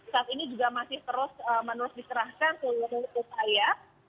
saat ini juga masih terus menerus dikerahkan seluruh upaya